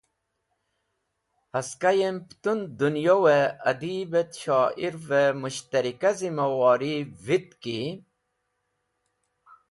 Haskai yem putun Dunyowe Adeeb et Shoirve Mushtarika Zimawori Witk ki